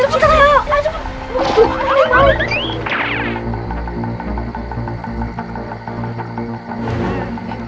siap siap siap